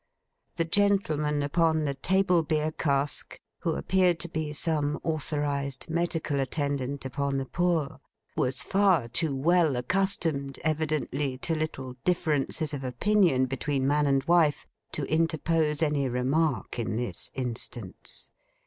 The gentleman upon the table beer cask, who appeared to be some authorised medical attendant upon the poor, was far too well accustomed, evidently, to little differences of opinion between man and wife, to interpose any remark in this instance.